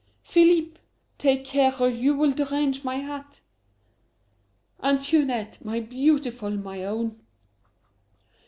"Philippe! Take care, or you will derange my hat!" "Antoinette! My beautiful, my own!"